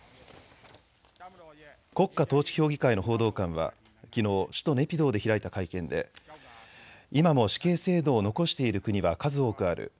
国家統治評議会の報道官はきのう首都ネピドーで開いた会見で今も死刑制度を残している国は数多くある。